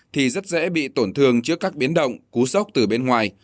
thì rất dễ bị tổn thương trước các biến động cú sốc từ bên ngoài